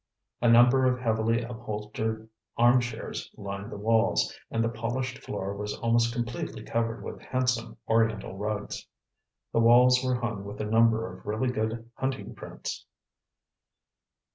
A number of heavily upholstered arm chairs lined the walls, and the polished floor was almost completely covered with handsome Oriental rugs. The walls were hung with a number of really good hunting prints.